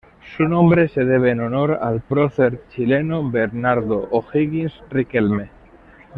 Su nombre se debe en honor al prócer chileno Bernardo O'Higgins Riquelme.